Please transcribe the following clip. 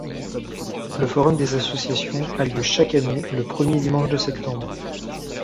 Le forum des associations a lieu chaque année le premier dimanche de septembre.